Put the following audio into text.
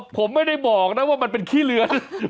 ผมไม่ได้บอกนะว่ามันเป็นขี้เรือ